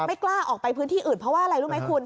ไม่กล้าออกไปพื้นที่อื่นเพราะว่าอะไรรู้ไหมคุณ